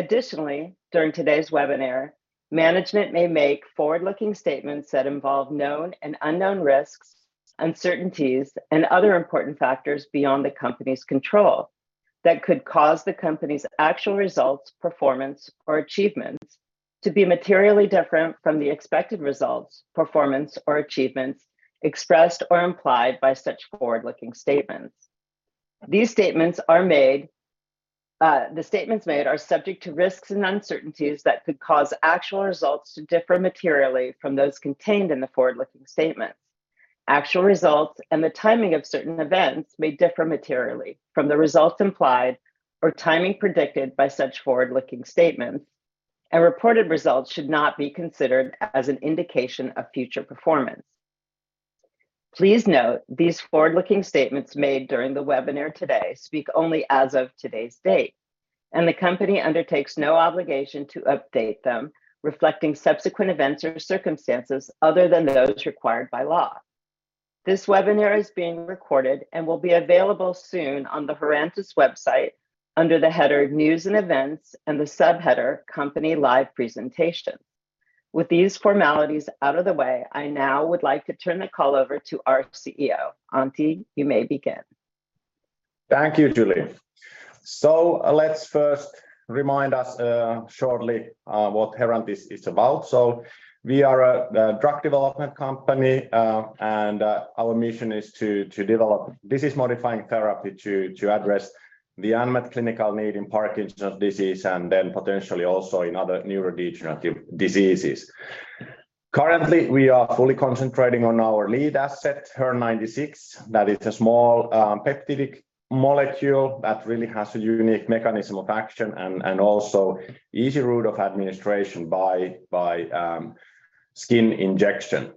Additionally, during today's webinar, management may make forward-looking statements that involve known and unknown risks, uncertainties, and other important factors beyond the company's control that could cause the company's actual results, performance, or achievements to be materially different from the expected results, performance, or achievements expressed or implied by such forward-looking statements. These statements are made, the statements made are subject to risks and uncertainties that could cause actual results to differ materially from those contained in the forward-looking statements. Actual results and the timing of certain events may differ materially from the results implied or timing predicted by such forward-looking statements, and reported results should not be considered as an indication of future performance. Please note these forward-looking statements made during the webinar today speak only as of today's date, and the company undertakes no obligation to update them reflecting subsequent events or circumstances other than those required by law. This webinar is being recorded and will be available soon on the Herantis website under the header News and Events and the subheader Company Live Presentation. With these formalities out of the way, I now would like to turn the call over to our CEO. Antti, you may begin. Thank you, Julie. Let's first remind us, shortly, what Herantis is about. We are a drug development company, and our mission is to develop disease-modifying therapy to address the unmet clinical need in Parkinson's disease and potentially also in other neurodegenerative diseases. Currently, we are fully concentrating on our lead asset, HER-096, that is a small peptidic molecule that really has a unique mechanism of action and also easy route of administration by skin injection.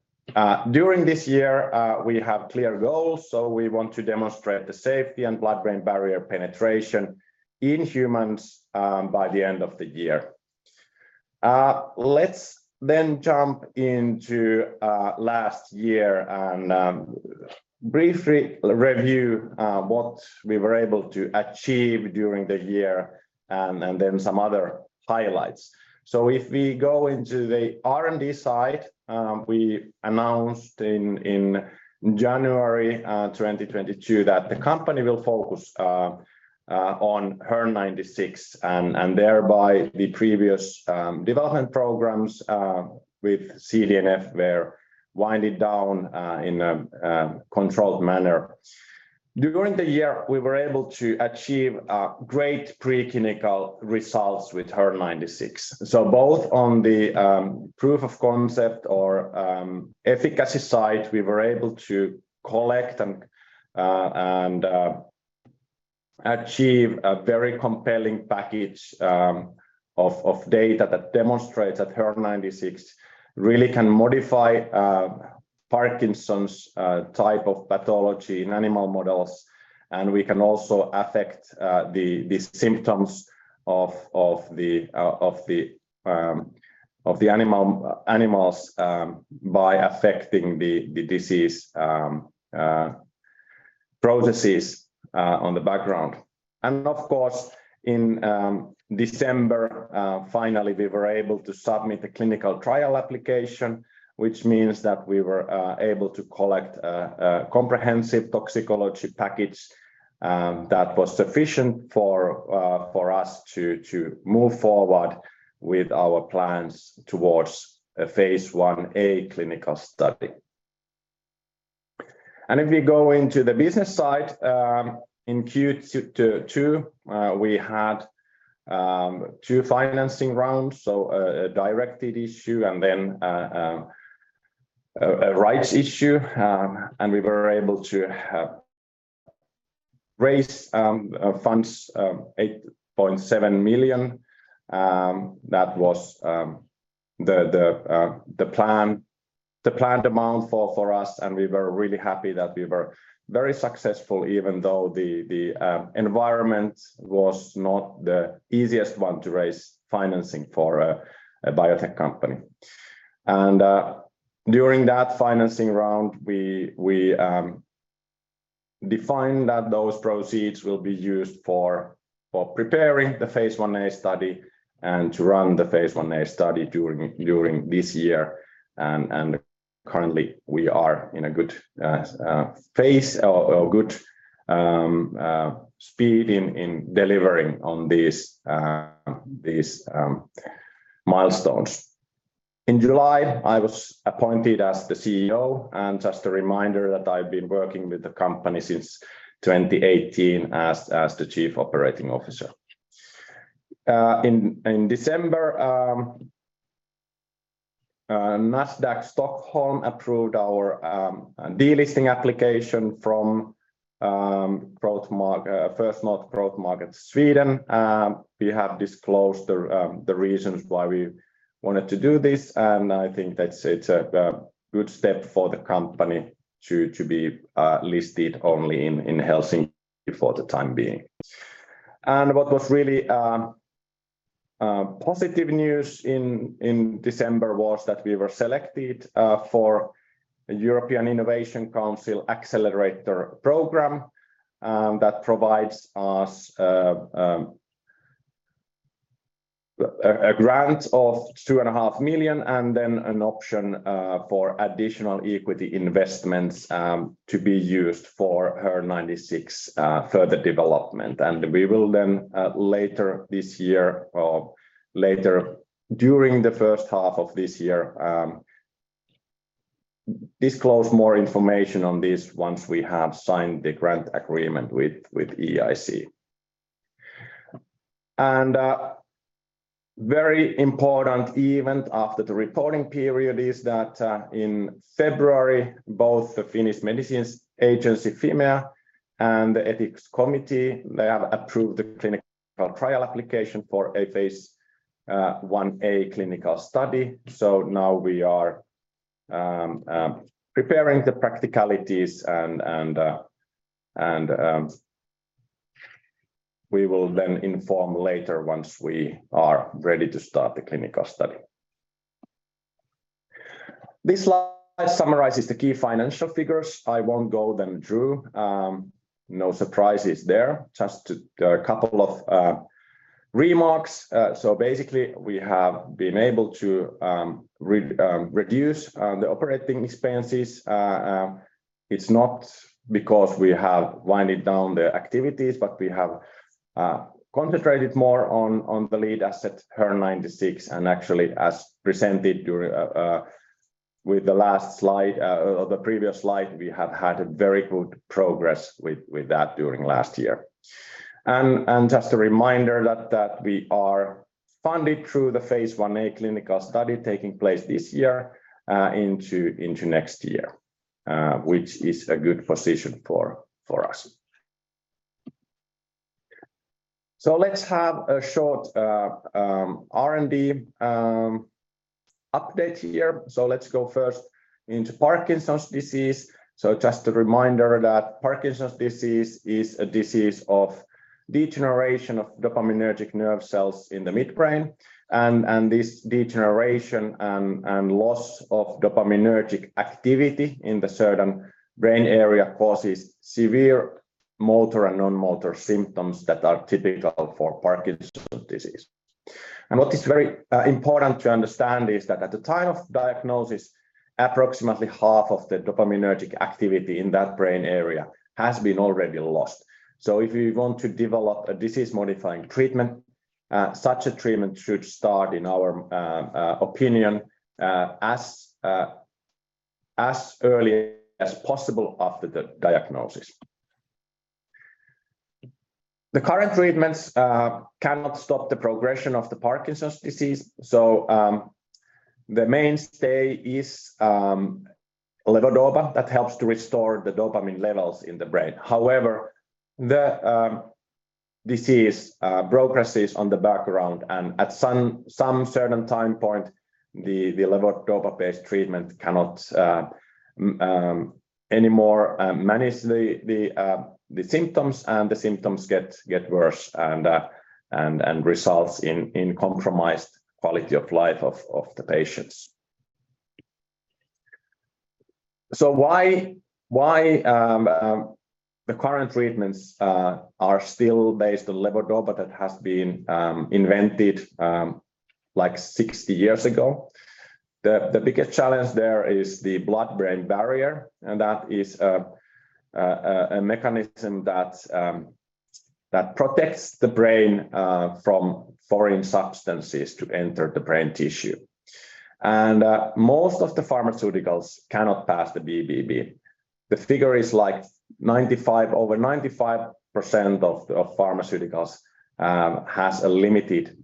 During this year, we have clear goals, we want to demonstrate the safety and blood-brain barrier penetration in humans, by the end of the year. Let's jump into last year and briefly review what we were able to achieve during the year and then some other highlights. If we go into the R&D side, we announced in January 2022 that the company will focus on HER-096 and thereby the previous development programs with CDNF were winded down in a controlled manner. During the year, we were able to achieve great preclinical results with HER-096. Both on the proof of concept or efficacy side, we were able to collect and achieve a very compelling package of data that demonstrates that HER-096 really can modify Parkinson's type of pathology in animal models, and we can also affect the symptoms of the animals by affecting the disease processes on the background. Of course, in December, finally, we were able to submit the clinical trial application, which means that we were able to collect a comprehensive toxicology package that was sufficient for us to move forward with our plans towards a Phase Ia clinical study. If we go into the business side, in Q2, we had two financing rounds, so a directed issue and then a rights issue, and we were able to raise funds, 8.7 million. That was the planned amount for us, and we were really happy that we were very successful even though the environment was not the easiest one to raise financing for a biotech company. During that financing round, we defined that those proceeds will be used for preparing the Phase Ia study and to run the Phase Ia study during this year and currently we are in a good phase or good speed in delivering on these these milestones. In July, I was appointed as the CEO, and just a reminder that I've been working with the company since 2018 as the chief operating officer. In December, Nasdaq, Stockholm approved our delisting application from First North Growth Market Sweden. We have disclosed the reasons why we wanted to do this, and I think that it's a good step for the company to be listed only in Helsinki for the time being. What was really positive news in December was that we were selected for a European Innovation Council Accelerator program that provides us a grant of 2.5 million and then an option for additional equity investments to be used for HER-096 further development. We will then later this year or later during the first half of this year disclose more information on this once we have signed the grant agreement with EIC. A very important event after the reporting period is that in February, both the Finnish Medicines Agency, Fimea, and the ethics committee, they have approved the clinical trial application for a Phase Ia clinical study. Now we are preparing the practicalities and we will then inform later once we are ready to start the clinical study. This slide summarizes the key financial figures. I won't go them through. No surprises there. Just a couple of remarks. Basically we have been able to reduce the operating expenses. It's not because we have winded down the activities, but we have concentrated more on the lead asset HER-096 and actually as presented during with the last slide or the previous slide, we have had a very good progress with that during last year. Just a reminder that we are funded through the Phase Ia clinical study taking place this year, into next year, which is a good position for us. Let's have a short R&D update here. Let's go first into Parkinson's disease. Just a reminder that Parkinson's disease is a disease of degeneration of dopaminergic nerve cells in the midbrain. This degeneration and loss of dopaminergic activity in the certain brain area causes severe motor and non-motor symptoms that are typical for Parkinson's disease. What is very important to understand is that at the time of diagnosis, approximately half of the dopaminergic activity in that brain area has been already lost. If you want to develop a disease-modifying treatment, such a treatment should start, in our opinion, as early as possible after the diagnosis. The current treatments cannot stop the progression of Parkinson's disease, so the mainstay is levodopa that helps to restore the dopamine levels in the brain. However, the disease progresses on the background and at some certain time point the levodopa-based treatment cannot anymore manage the symptoms and the symptoms get worse and results in compromised quality of life of the patients. Why the current treatments are still based on levodopa that has been invented like 60 years ago? The biggest challenge there is the blood-brain barrier, and that is a mechanism that protects the brain from foreign substances to enter the brain tissue. Most of the pharmaceuticals cannot pass the BBB. The figure is like 95 over 95% of pharmaceuticals has a limited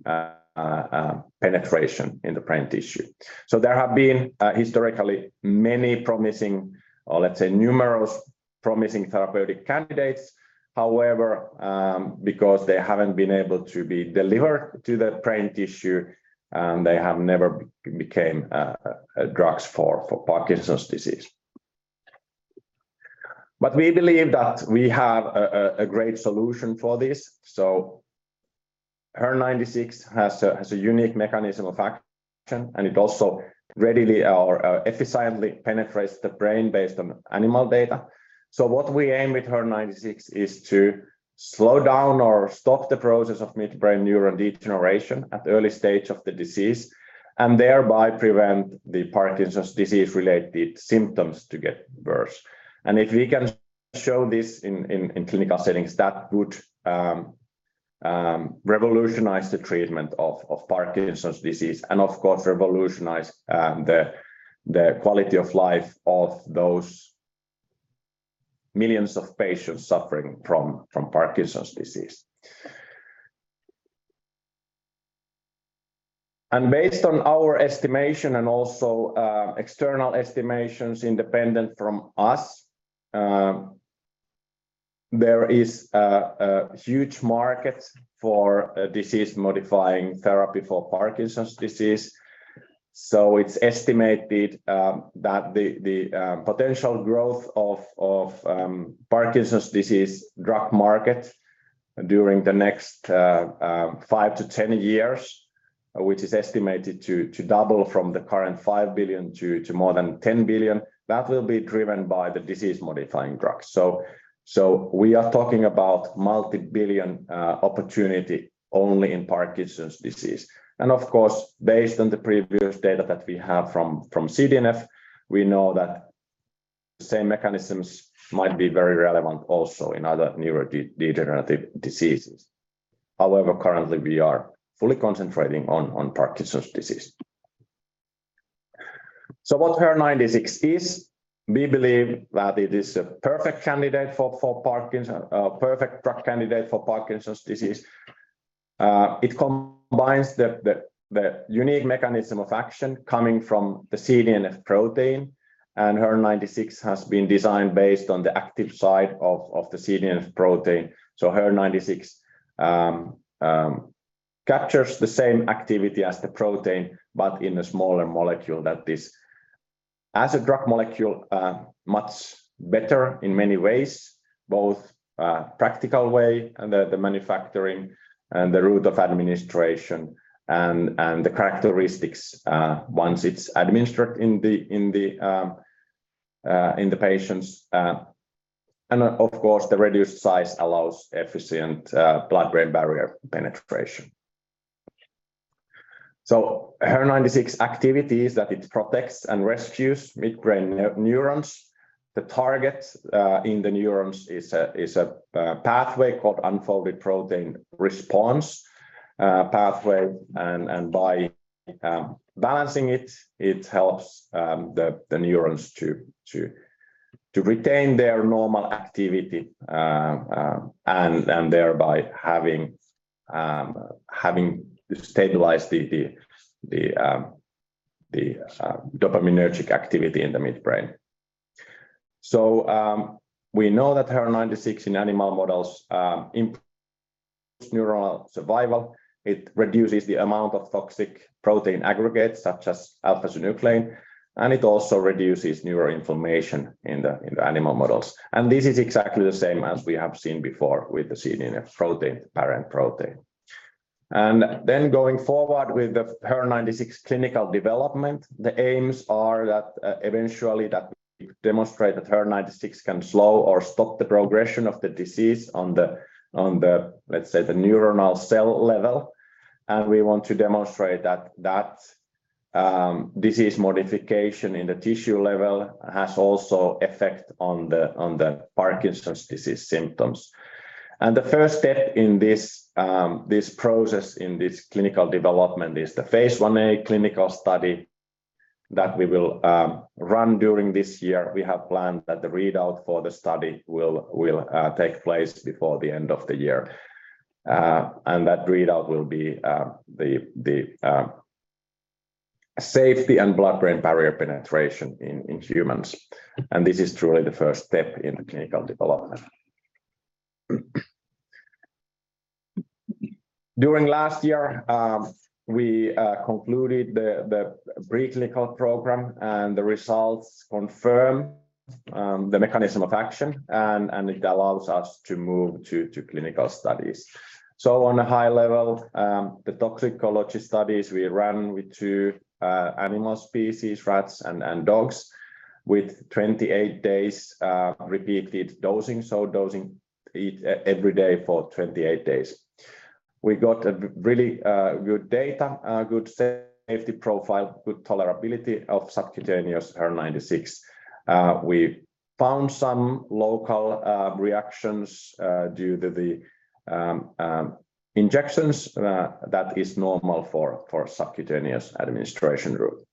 penetration in the brain tissue. There have been historically many promising or let's say numerous promising therapeutic candidates. However, because they haven't been able to be delivered to the brain tissue, they have never became drugs for Parkinson's disease. We believe that we have a great solution for this. HER-096 has a unique mechanism of action, and it also readily or efficiently penetrates the brain based on animal data. What we aim with HER-096 is to slow down or stop the process of midbrain neuron degeneration at the early stage of the disease and thereby prevent the Parkinson's disease-related symptoms to get worse. If we can show this in clinical settings, that would revolutionize the treatment of Parkinson's disease and of course revolutionize the quality of life of those millions of patients suffering from Parkinson's disease. Based on our estimation and also external estimations independent from us, there is a huge market for a disease-modifying therapy for Parkinson's disease. It's estimated that the potential growth of Parkinson's disease drug market during the next five to 10 years, which is estimated to double from the current 5 billion to more than 10 billion, that will be driven by the disease-modifying drugs. We are talking about multi-billion opportunity only in Parkinson's disease. Of course, based on the previous data that we have from CDNF, we know that the same mechanisms might be very relevant also in other neurodegenerative diseases. However, currently we are fully concentrating on Parkinson's disease. What HER-096 is, we believe that it is a perfect drug candidate for Parkinson's disease. It combines the unique mechanism of action coming from the CDNF protein, and HER-096 has been designed based on the active site of the CDNF protein. HER-096 captures the same activity as the protein, but in a smaller molecule that is, as a drug molecule, much better in many ways, both practical way and the manufacturing and the route of administration and the characteristics, once it's administered in the patients. And of course, the reduced size allows efficient, blood-brain barrier penetration. HER-096 activity is that it protects and rescues midbrain neurons. The target in the neurons is a pathway called unfolded protein response pathway. By balancing it helps the neurons to retain their normal activity and thereby having stabilized the dopaminergic activity in the midbrain. We know that HER-096 in animal models improves neuronal survival. It reduces the amount of toxic protein aggregates such as alpha-synuclein, and it also reduces neuroinflammation in the animal models. This is exactly the same as we have seen before with the CDNF protein, parent protein. Going forward with the HER-096 clinical development, the aims are that eventually we demonstrate that HER-096 can slow or stop the progression of the disease on the, let's say, the neuronal cell level. We want to demonstrate that disease modification in the tissue level has also effect on the Parkinson's disease symptoms. The first step in this process, in this clinical development is the Phase Ia clinical study that we will run during this year. We have planned that the readout for the study will take place before the end of the year. That readout will be the safety and blood-brain barrier penetration in humans. This is truly the first step in the clinical development. During last year, we concluded the pre-clinical program, and the results confirm the mechanism of action and it allows us to move to clinical studies. On a high level, the toxicology studies we ran with two animal species, rats and dogs, with 28 days repeated dosing, so dosing every day for 28 days. We got a really good data, good safety profile, good tolerability of subcutaneous HER-096. We found some local reactions due to the injections. That is normal for subcutaneous administration route.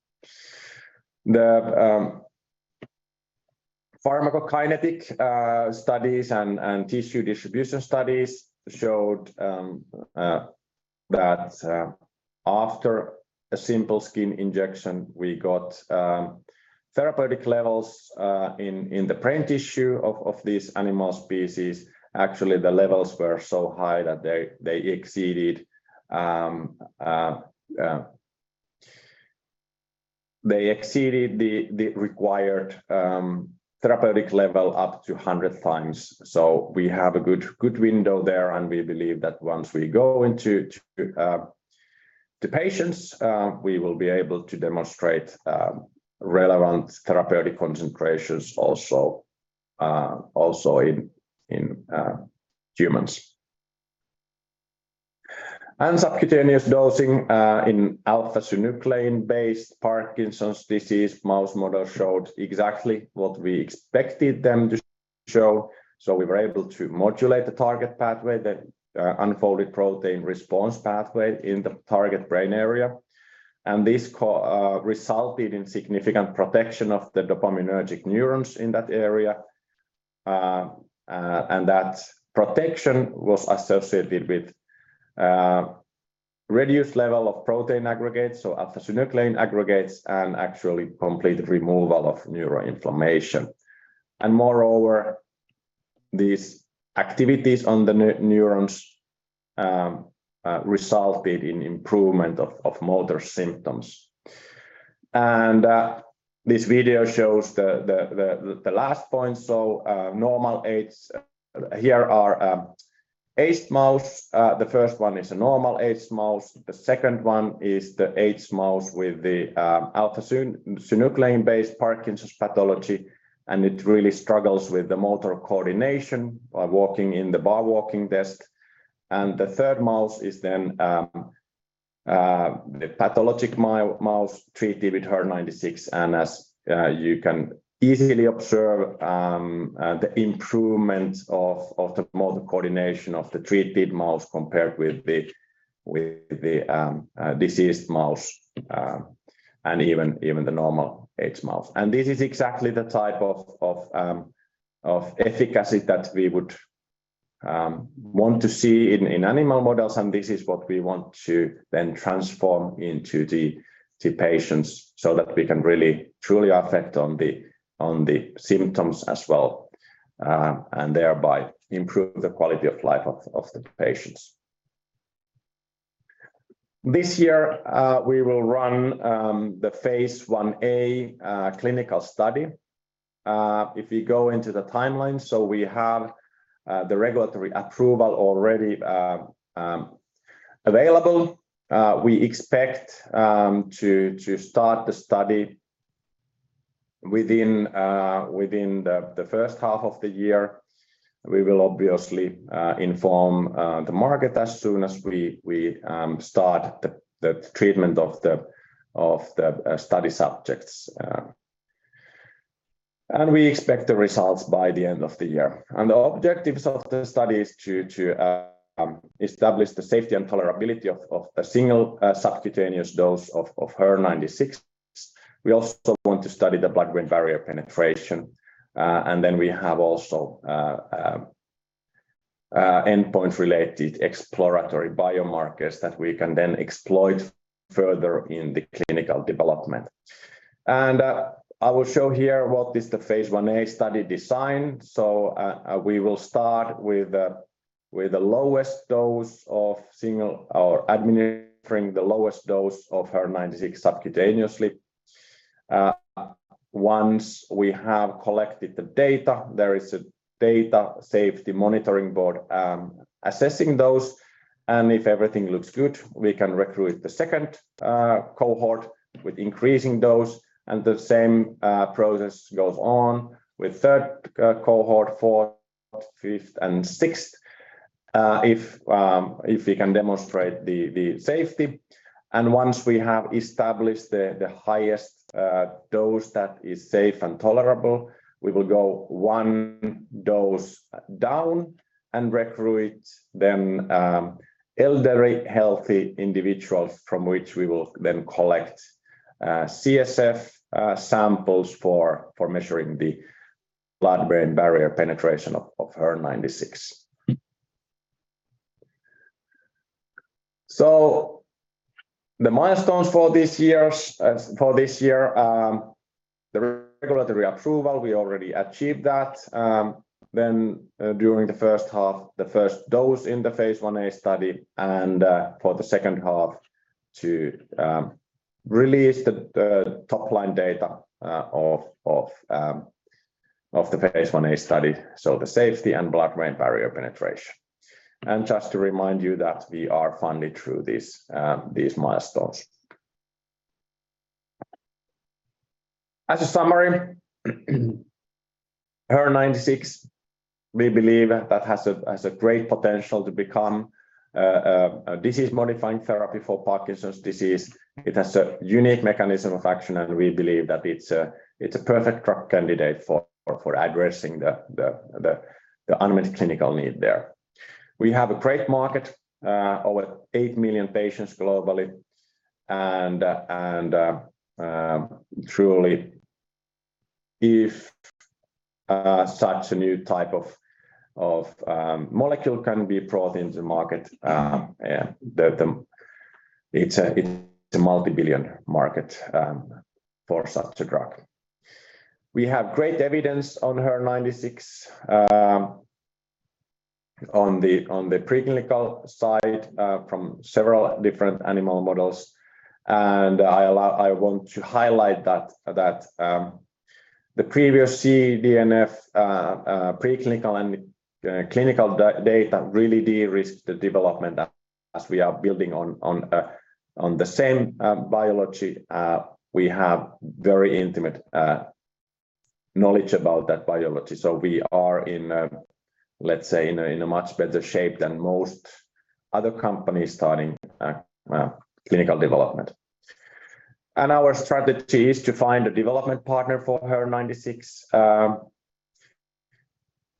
The Pharmacokinetic studies and tissue distribution studies showed that after a simple skin injection, we got therapeutic levels in the brain tissue of these animal species. Actually, the levels were so high that they exceeded the required therapeutic level up to 100 times. We have a good window there, and we believe that once we go to patients, we will be able to demonstrate relevant therapeutic concentrations also in humans. Subcutaneous dosing in alpha-synuclein based Parkinson's disease mouse model showed exactly what we expected them to show. We were able to modulate the target pathway, the unfolded protein response pathway in the target brain area. This resulted in significant protection of the dopaminergic neurons in that area. That protection was associated with reduced level of protein aggregates, so alpha-synuclein aggregates, and actually complete removal of neuroinflammation. Moreover, these activities on the neurons resulted in improvement of motor symptoms. This video shows the last point, so normal age, here are aged mouse. The first one is a normal aged mouse, the second one is the aged mouse with the alpha-synuclein-based Parkinson's pathology, and it really struggles with the motor coordination by walking in the bar walking test. The third mouse is then the pathologic mouse treated with HER-096. As you can easily observe, the improvement of the motor coordination of the treated mouse compared with the diseased mouse, and even the normal aged mouse. This is exactly the type of efficacy that we would want to see in animal models, and this is what we want to then transform into the to patients, so that we can really truly affect on the symptoms as well, and thereby improve the quality of life of the patients. This year, we will run the Phase Ia clinical study. If you go into the timeline, so we have the regulatory approval already available. We expect to start the study within the first half of the year. We will obviously inform the market as soon as we start the treatment of the study subjects. We expect the results by the end of the year. The objectives of the study is to establish the safety and tolerability of a single subcutaneous dose of HER-096. We also want to study the blood-brain barrier penetration, and then we have also endpoint-related exploratory biomarkers that we can then exploit further in the clinical development. I will show here what is the Phase Ia study design. We will start with the lowest dose of HER-096 subcutaneously. Once we have collected the data, there is a data safety monitoring board assessing those, and if everything looks good, we can recruit the second cohort with increasing dose. The same process goes on with third cohort, fourth, fifth, and sixth, if we can demonstrate the safety. Once we have established the highest dose that is safe and tolerable, we will go one dose down and recruit then elderly healthy individuals from which we will then collect CSF samples for measuring the blood-brain barrier penetration of HER-096. The milestones for this years, for this year, the regulatory approval, we already achieved that. During the first half, the first dose in the Phase Ia study, and for the second half to release the top-line data of the Phase Ia study, so the safety and blood-brain barrier penetration. Just to remind you that we are funded through this, these milestones. As a summary, HER-096, we believe that has a great potential to become a disease-modifying therapy for Parkinson's disease. It has a unique mechanism of action, and we believe that it's a perfect drug candidate for addressing the unmet clinical need there. We have a great market, over eight million patients globally. Truly if such a new type of molecule can be brought into market, the it's a multi-billion market for such a drug. We have great evidence on HER-096 on the preclinical side from several different animal models. I want to highlight that the previous CDNF preclinical and clinical data really de-risk the development as we are building on the same biology. We have very intimate knowledge about that biology. We are in a, let's say in a much better shape than most other companies starting clinical development. Our strategy is to find a development partner for HER-096,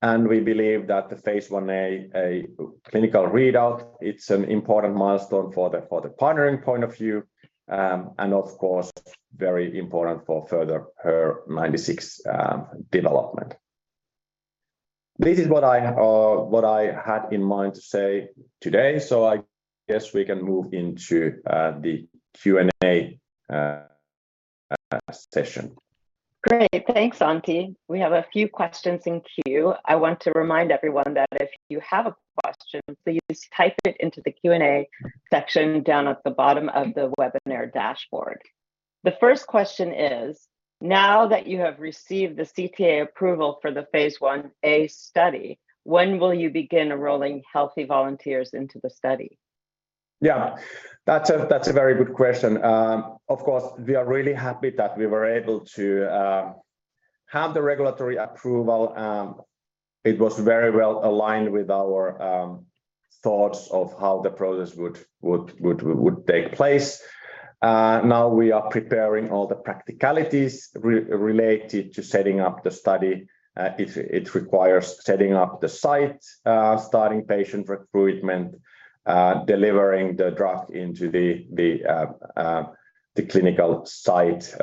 and we believe that the Phase Ia, a clinical readout, it's an important milestone for the, for the partnering point of view, and of course, very important for further HER-096, development. This is what I had in mind to say today. I guess we can move into, the Q&A, session. Great. Thanks, Antti. We have a few questions in queue. I want to remind everyone that if you have a question, please type it into the Q&A section down at the bottom of the webinar dashboard. The first question is, now that you have received the CTA approval for the Phase Ia study, when will you begin enrolling healthy volunteers into the study? Yeah. That's a very good question. Of course, we are really happy that we were able to have the regulatory approval. It was very well aligned with our thoughts of how the process would take place. Now we are preparing all the practicalities related to setting up the study. It requires setting up the site, starting patient recruitment, delivering the draft into the clinical site.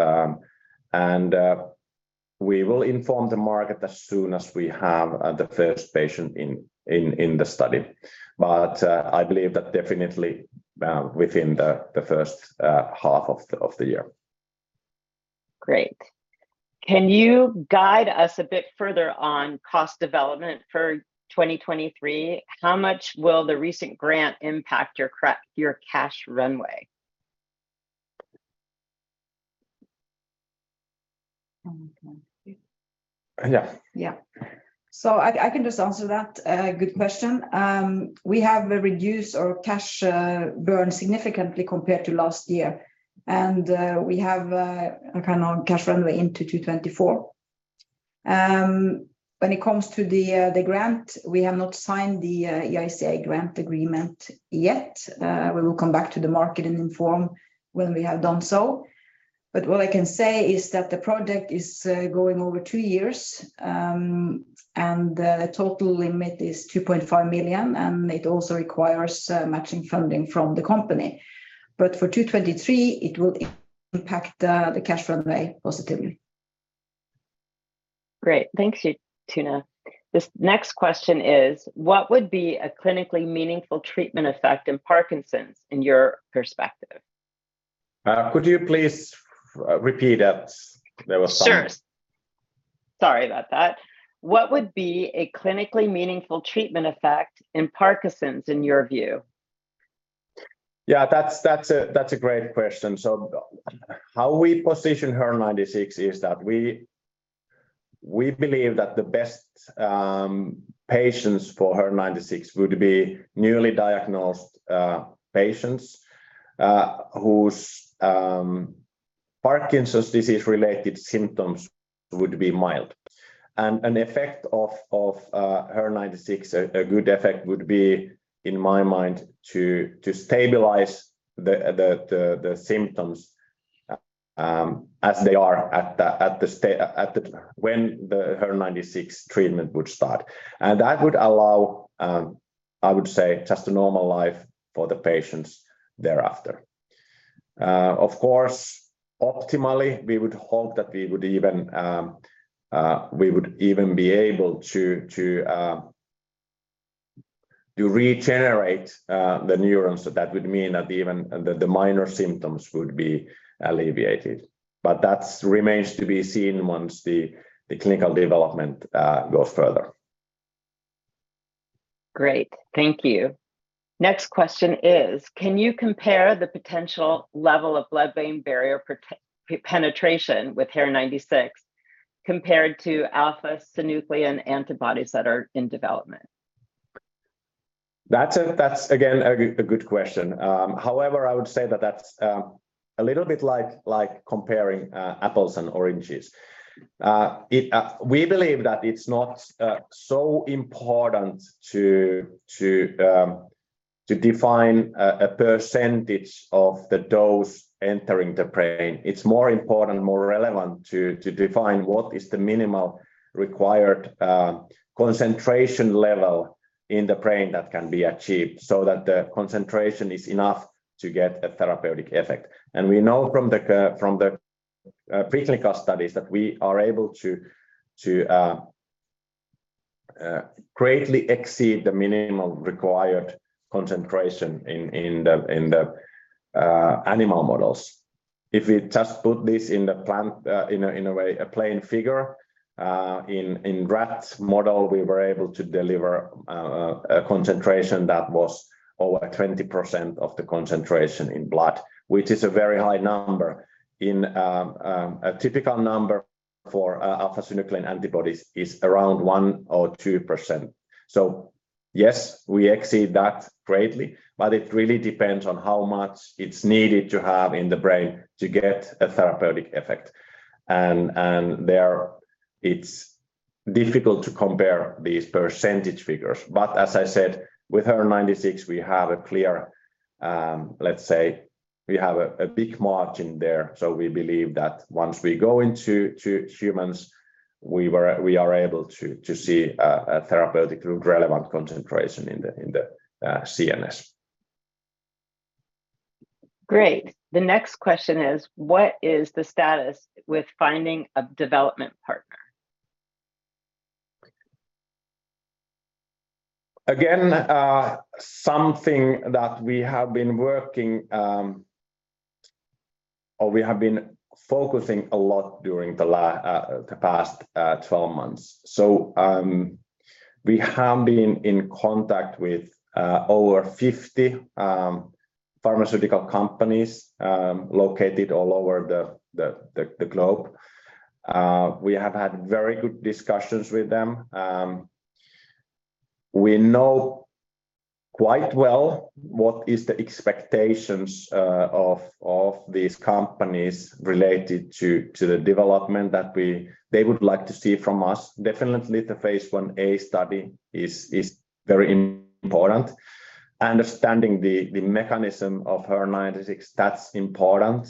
We will inform the market as soon as we have the first patient in the study. I believe that definitely within the first half of the year. Great. Can you guide us a bit further on cost development for 2023? How much will the recent grant impact your cash runway? Um. Yeah. Yeah. I can just answer that. Good question. We have reduced our cash burn significantly compared to last year. We have a kind of cash runway into 2024. When it comes to the grant, we have not signed the EIC grant agreement yet. We will come back to the market and inform when we have done so. What I can say is that the project is going over two years, and the total limit is 2.5 million, and it also requires matching funding from the company. For 2023, it will impact the cash runway positively. Great. Thank you, [Tuna]. This next question is, what would be a clinically meaningful treatment effect in Parkinson's in your perspective? Could you please repeat that? There was. Sure. Sorry about that. What would be a clinically meaningful treatment effect in Parkinson's in your view? Yeah, that's a great question. How we position HER-096 is that we believe that the best patients for HER-096 would be newly diagnosed patients whose Parkinson's disease related symptoms would be mild. An effect of HER-096, a good effect would be, in my mind, to stabilize the symptoms as they are at the... when the HER-096 treatment would start. That would allow, I would say just a normal life for the patients thereafter. Of course, optimally, we would hope that we would even be able to regenerate the neurons, so that would mean that even the minor symptoms would be alleviated. That remains to be seen once the clinical development goes further. Great. Thank you. Next question is, can you compare the potential level of blood-brain barrier penetration with HER-096 compared to alpha-synuclein antibodies that are in development? That's a, that's again, a good question. However, I would say that that's a little bit like comparing apples and oranges. It, we believe that it's not so important to define a percentage of the dose entering the brain. It's more important, more relevant to define what is the minimal required concentration level in the brain that can be achieved, so that the concentration is enough to get a therapeutic effect. We know from the preclinical studies that we are able to greatly exceed the minimal required concentration in the animal models. If we just put this in a way, a plain figure, in rats model, we were able to deliver a concentration that was over 20% of the concentration in blood, which is a very high number. A typical number for alpha-synuclein antibodies is around 1% or 2%. Yes, we exceed that greatly, but it really depends on how much it's needed to have in the brain to get a therapeutic effect. There it's difficult to compare these percentage figures. As I said, with HER-096, we have a clear, let's say we have a big margin there. We believe that once we go into humans, we are able to see a therapeutically relevant concentration in the CNS. Great. The next question is, what is the status with finding a development partner? Something that we have been working, or we have been focusing a lot during the past 12 months. We have been in contact with over 50 pharmaceutical companies located all over the globe. We have had very good discussions with them. We know quite well what is the expectations of these companies related to the development that they would like to see from us. Definitely the Phase Ia study is very important. Understanding the mechanism of HER-096, that's important.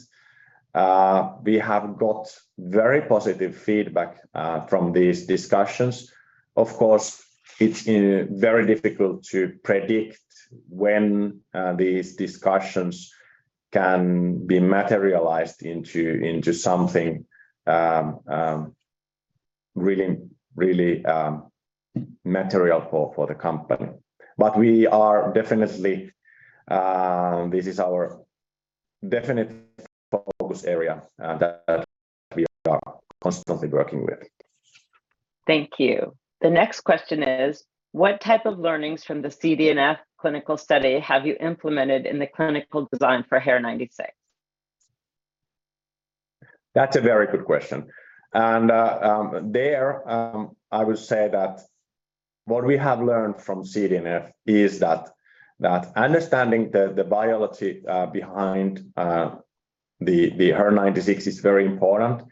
We have got very positive feedback from these discussions. Of course, it's very difficult to predict when these discussions can be materialized into something really material for the company. We are definitely, this is our definite focus area, that we are constantly working with. Thank you. The next question is, what type of learnings from the CDNF clinical study have you implemented in the clinical design for HER-096? That's a very good question. I would say that what we have learned from CDNF is that understanding the biology behind the HER-096 is very important.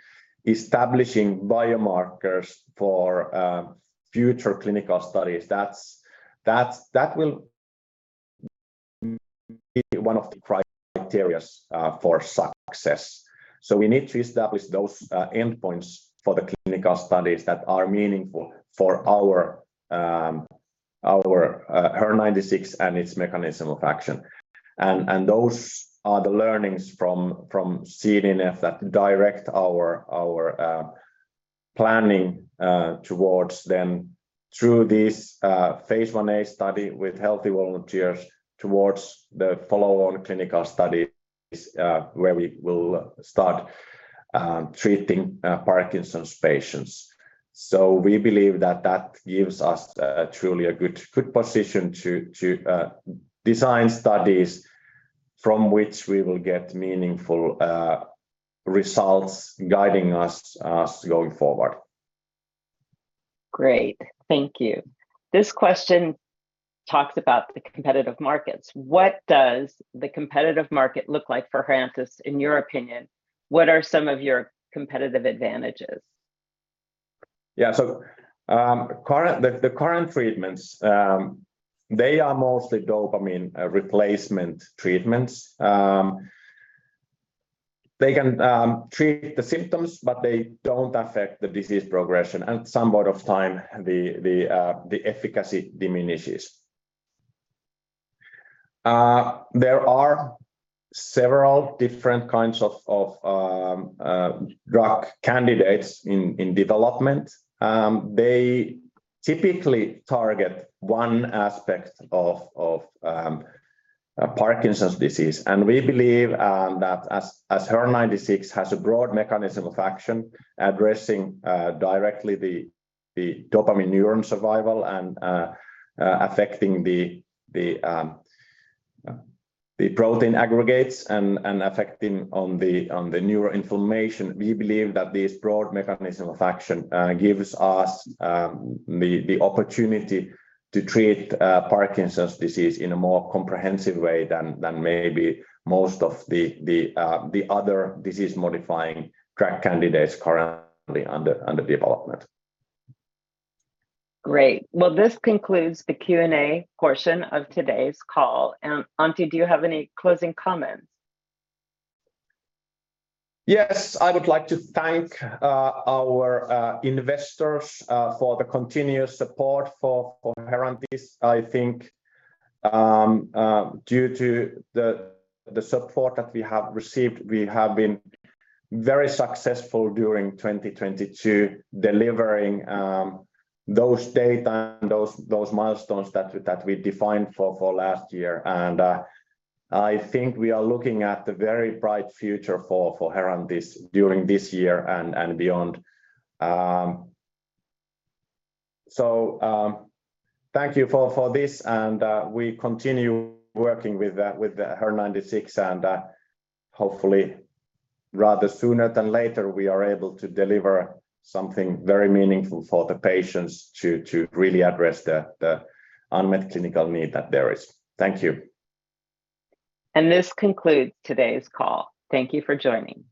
Establishing biomarkers for future clinical studies, that will be one of the criterias for success. We need to establish those endpoints for the clinical studies that are meaningful for our HER-096 and its mechanism of action. Those are the learnings from CDNF that direct our planning towards then through this Phase Ia study with healthy volunteers towards the follow-on clinical studies where we will start treating Parkinson's patients. We believe that that gives us truly a good position to design studies from which we will get meaningful results guiding us going forward. Great. Thank you. This question talks about the competitive markets. What does the competitive market look like for Herantis in your opinion? What are some of your competitive advantages? Yeah. The current treatments, they are mostly dopamine replacement treatments. They can treat the symptoms, but they don't affect the disease progression, and somewhat of time the efficacy diminishes. There are several different kinds of drug candidates in development. They typically target one aspect of Parkinson's disease. We believe that as HER-096 has a broad mechanism of action addressing directly the dopamine neuron survival and affecting the protein aggregates and affecting on the neuroinflammation. We believe that this broad mechanism of action gives us the opportunity to treat Parkinson's disease in a more comprehensive way than maybe most of the other disease-modifying drug candidates currently under development. Great. Well, this concludes the Q&A portion of today's call. Antti, do you have any closing comments? Yes. I would like to thank our investors for the continuous support for Herantis. I think due to the support that we have received, we have been very successful during 2022 delivering those data and those milestones that we defined for last year. I think we are looking at a very bright future for Herantis during this year and beyond. Thank you for this, we continue working with the HER-096 and hopefully rather sooner than later we are able to deliver something very meaningful for the patients to really address the unmet clinical need that there is. Thank you. This concludes today's call. Thank you for joining.